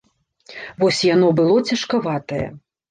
Вось яно было цяжкаватае.